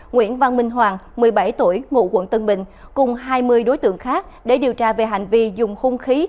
nguyễn văn minh hoàng một mươi bảy tuổi ngụ quận tân bình cùng hai mươi đối tượng khác để điều tra về hành vi dùng hung khí